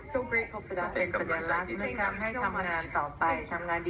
ขอบคุณมากขอบคุณมาก